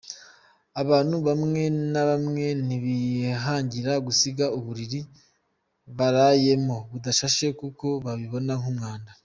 Abantu bamwe na bamwe ntibihanganira gusiga uburiri barayemo budashashe, kuko babibona nk’umwanda.